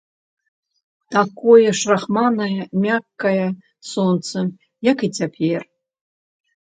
Такое ж рахманае, мяккае сонца, як і цяпер.